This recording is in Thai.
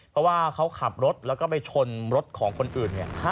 เพราะว่าเขาขับรถแล้วก็ไปชนรถของคนอื่น